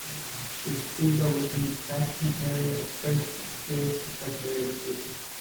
These schools are within the catchment area of Thirsk School for secondary education.